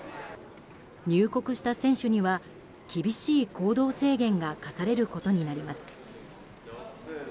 入国した選手には厳しい行動制限が課されることになります。